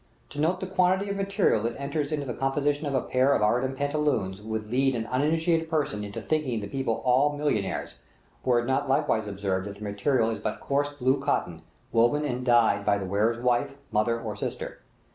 To note the quantity of material that enters into the composition of a pair of Aradan pantaloons, would lead an uninitiated person into thinking the people all millionaires, were it not likewise observed that the material is but coarse blue cotton, woven and dyed by the wearer's wife, mother, or sister.